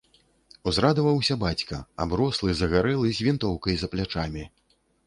Узрадаваўся бацька, аброслы, загарэлы, з вінтоўкай за плячамі.